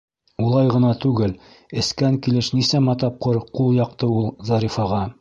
Улай ғына түгел: эскән килеш нисәмә тапҡыр ҡул яҡты ул Зарифаға.